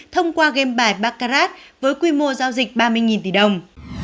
thông qua game bài bacard với quy mô giao dịch ba mươi tỷ đồng